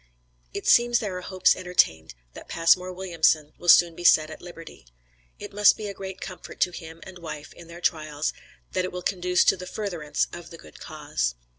It seems there are hopes entertained that Passmore Williamson will soon be set at liberty. It must be a great comfort to him and wife, in their trials, that it will conduce to the furtherance of the good cause.